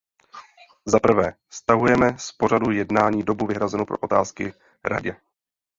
Zaprvé, stahujeme z pořadu jednání dobu vyhrazenou pro otázky Radě.